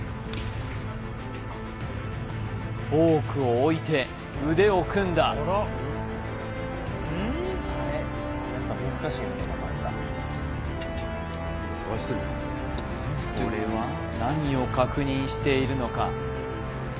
フォークを置いて腕を組んだこれは何を確認しているのか？